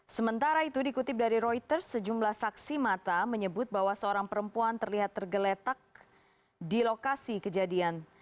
sementara itu dikutip dari reuters sejumlah saksi mata menyebut bahwa seorang perempuan terlihat tergeletak di lokasi kejadian